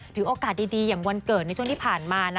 ถือโอกาสดีอย่างวันเกิดในช่วงที่ผ่านมานะ